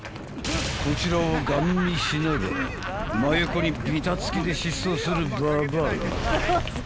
［こちらをガン見しながら真横にびたつきで疾走するババアが］